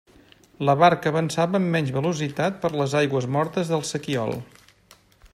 La barca avançava amb menys velocitat per les aigües mortes del sequiol.